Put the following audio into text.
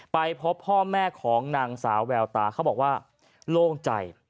ไปพบพ่อแม่ของนางสาวแววตาเขาบอกว่าโล่งใจ